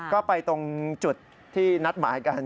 ก็ไปตรงจุดที่นัดหมายกัน